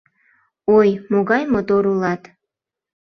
— Ой, могай мотор улат!